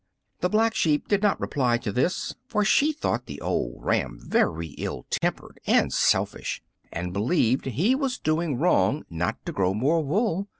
Black Sheep did not reply to this, for she thought the old ram very ill tempered and selfish, and believed he was doing wrong not to grow more wool.